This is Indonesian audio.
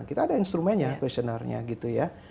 kita ada instrumennya questionnaire nya gitu ya